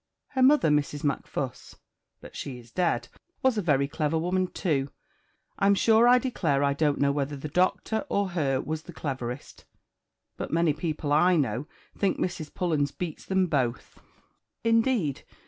"Her mother, Mrs. Macfuss but she is dead was a very clever woman too; I'm sure I declare I don't know whether the Doctor or her was the cleverest; but many people, I know, think Mrs. Pullens beats them both." "Indeed!